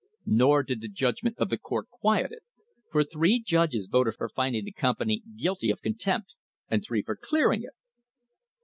Nor did the judgment of the court quiet it, for three judges voted for finding the company guilty of contempt, and three for clearing it.